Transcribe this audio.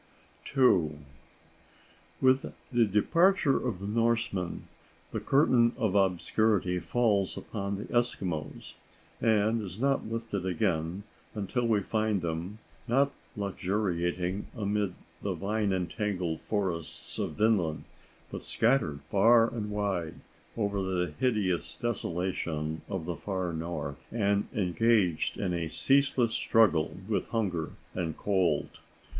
*II.* With the departure of the Norsemen, the curtain of obscurity falls upon the Eskimos, and is not lifted again until we find them, not luxuriating amid the vine entangled forests of Vinland, but scattered far and wide over the hideous desolation of the far north, and engaged in a ceaseless struggle with hunger and cold.